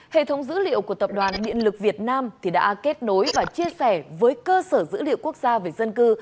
hệ thống dữ liệu của tập đoàn điện lực việt nam đã kết nối và chia sẻ với cơ sở dữ liệu quốc gia về dân cư